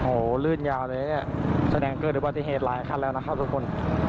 โอ้โหลื่นยาวเลยเนี้ยแสดงเกิดหรือเปล่าที่เหตุร้ายขั้นแล้วนะครับทุกคน